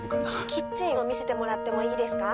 キッチンを見せてもらってもいいですか？